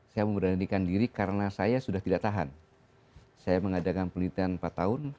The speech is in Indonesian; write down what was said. saya memberanikan diri karena saya sudah tidak tahan saya mengadakan penelitian empat tahun